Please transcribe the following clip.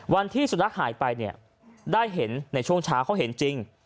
วันที่สุนัขหายไปเนี่ยได้เห็นในช่วงเช้าเขาเห็นจริง